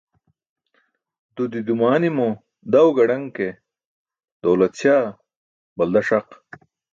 Dudi dumanimo daw gadaṅ ke, dawlat śaa balda ṣaq.